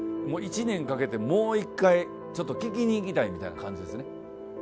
１年かけてもう一回ちょっと聞きに行きたいみたいな感じですね。